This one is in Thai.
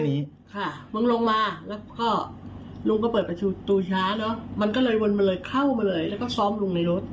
มันก็เลยวนมาเลยเข้ามาเลยแล้วก็ซ้อมลุงในรถ